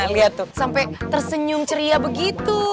lihat sampai tersenyum ceria begitu